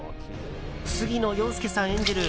杉野遥亮さん演じる